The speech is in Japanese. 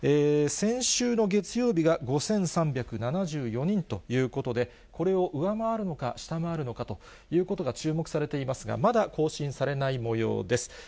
先週の月曜日が５３７４人ということで、これを上回るのか、下回るのかということが注目されていますが、まだ更新されないもようです。